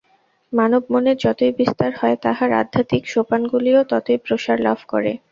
মানব-মনের যতই বিস্তার হয়, তাহার আধ্যাত্মিক সোপানগুলিও ততই প্রসার লাভ করে।